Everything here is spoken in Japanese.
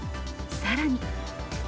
さらに。